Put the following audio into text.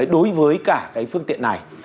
đối với cả cái phương tiện này